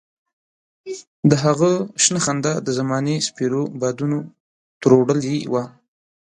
د هغه شنه خندا د زمانې سپېرو بادونو تروړلې وه.